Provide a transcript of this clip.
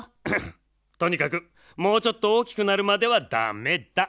とにかくもうちょっとおおきくなるまではダメだ。